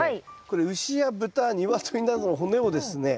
これ牛や豚鶏などの骨をですね